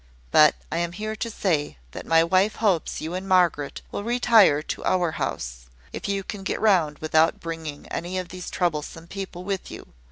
But I am here to say that my wife hopes you and Margaret will retire to our house, if you can get round without bringing any of these troublesome people with you.